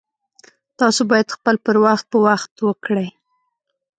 تاسو باید خپل پر وخت په وخت وکړئ